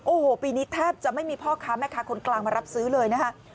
โอ้โหปีนี้แทบจะไม่มีพ่อค้าแม่ค้าคนกลางมารับซื้อเลยนะคะ